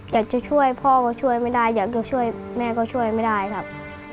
อยากจะช่วยพ่อก็ช่วยไม่ได้อยากจะช่วยแม่ก็ช่วยไม่ได้ครับ